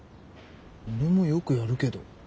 俺もよくやるけど。